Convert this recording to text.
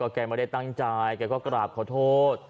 แกไม่ได้ตั้งใจแกก็กราบขอโทษ